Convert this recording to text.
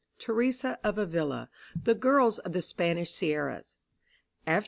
THERESA OF AVILA: THE GIRL OF THE SPANISH SIERRAS.